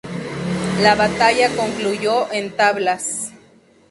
La batalla concluyó en tablas.